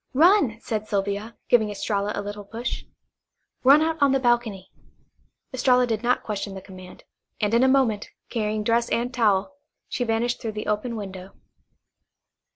"Run," said Sylvia, giving Estralla a little push. "Run out on the balcony." Estralla did not question the command, and in a moment, carrying dress and towel, she had vanished through the open window.